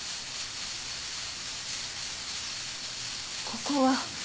ここは？